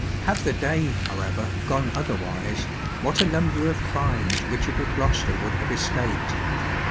Had the day, however, gone otherwise, what a num ber of crimes Richard of Gloucester would have escaped